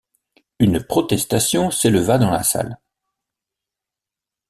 Une protestation s'éleva dans la salle.